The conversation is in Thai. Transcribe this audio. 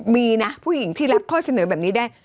มีนะผู้หญิงที่รับข้อเสนอแบบนี้ได้